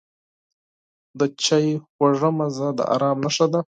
د چای خوږه مزه د آرام نښه ده.